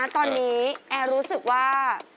ตอนนี้แอร์รู้สึกว่า